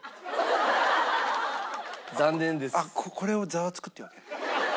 あっこれを「ザワつく」っていうわけ？